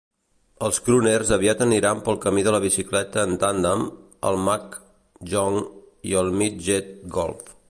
Els crooners aviat aniran pel camí de la bicicleta en tàndem, el mah jongg i el midget golf.